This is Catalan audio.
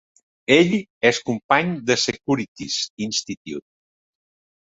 Ell és company del Securities Institute.